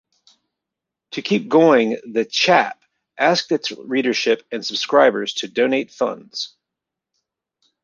To keep going "The Chap" asked its readership and subscribers to donate funds.